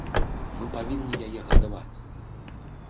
Мы павінны яе гадаваць.